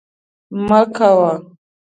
مه کوه